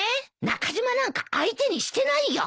中島なんか相手にしてないよ。